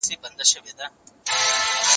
دا قصه په پخوانيو کتابونو کي هم نده ذکر سوې.